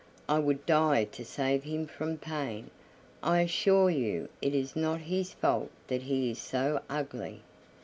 "I would die to save him from pain. I assure you it is not his fault that he is so ugly."